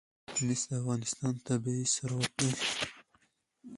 مس د افغانستان طبعي ثروت دی.